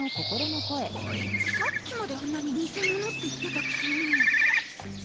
コイツさっきまであんなにニセモノって言ってたくせに